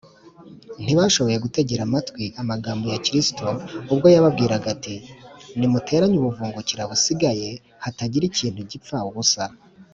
ntibashoboye gutegera amatwi amagambo ya kristo ubwo yababwiraga ati, “nimuteranye ubuvungukira busigaye hatagira ikintu gipfa ubusa